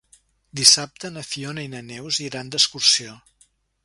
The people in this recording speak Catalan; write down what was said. Dissabte na Fiona i na Neus iran d'excursió.